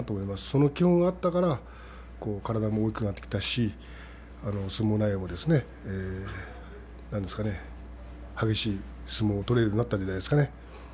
その基本があったから体も大きくなってきたし相撲内容も、激しい相撲を取れるようになったんじゃないですかね。